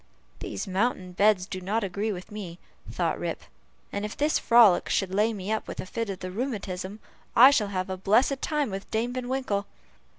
"These mountain beds do not agree with me," thought Rip, "and if this frolic, should lay me up with a fit of the rheumatism, I shall have a blessed time with Dame Van Winkle."